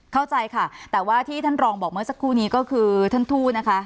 เข้าใจค่ะแต่ว่าที่ท่านรองบอกเมื่อสักครู่นี้ก็คือท่านทู่นะคะ